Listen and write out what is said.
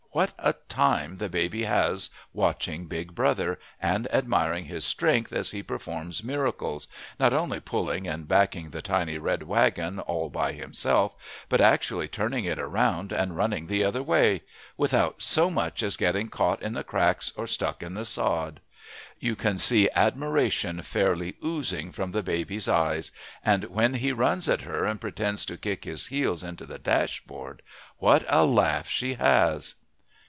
What a time the baby has watching Big Brother, and admiring his strength as he performs miracles, not only pulling and backing the tiny red wagon all by himself, but actually turning it around and running the other way, without so much as getting caught in the cracks or stuck in the sod! You can see admiration fairly oozing from baby's eyes; and when he runs at her and pretends to kick his heels into the dashboard, what a laugh she has!